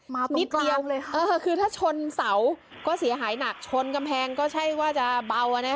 นิดเดียวเลยค่ะเออคือถ้าชนเสาก็เสียหายหนักชนกำแพงก็ใช่ว่าจะเบาอ่ะนะ